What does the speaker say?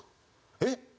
えっ？